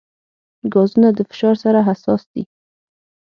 ګازونه د فشار سره حساس دي.